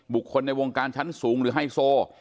บุคคลในวงการชั้นสูงหรือไฮโซ